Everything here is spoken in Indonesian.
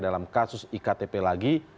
dalam kasus iktp lagi